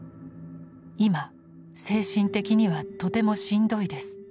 今精神的にはとてもしんどいです。